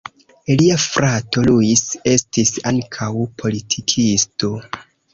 Lia frato Luis estis ankaŭ politikisto.